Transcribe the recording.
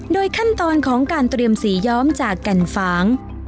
ขั้นตอนของการเตรียมสีย้อมจากแก่นฝาง